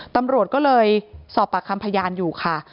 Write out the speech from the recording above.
ตำรวจก็เลยสอบปากคำพยานอยู่ค่ะ